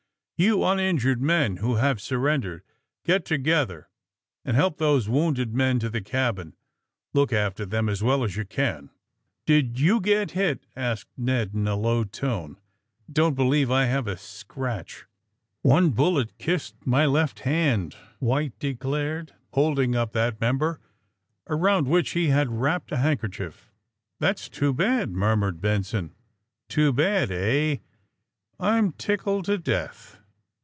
^'You uninjured men, who have surrendered, get to gether and help these wounded men to the cabine Look after them as well as you can." Did you get hit?" asked Ned, in a low tone. ^' Don't believe I have a scratch." *^One bullet kissed my left hand," White de clared, holding up that member, around which he had wrapped a handkerchief. '^That's too bad," murmured Benson. *'Too bad, eh? I'm ticlded to death!